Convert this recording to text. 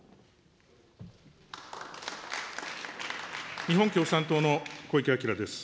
日本共産党の小池晃です。